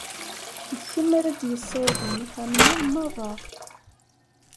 D kemm ara d-yessarden ixxamen-a merra.